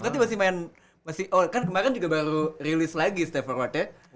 berarti masih main kan kemarin juga baru rilis lagi step forwardnya